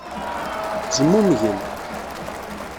Zmumgen.